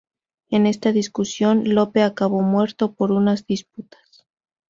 En esta discusión Lope acabó muerto por unas disputas.